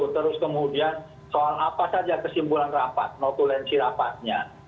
terus kemudian soal apa saja kesimpulan rapat notulensi rapatnya